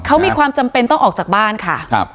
เขามีความจำเป็นต้องออกจากบ้านค่ะ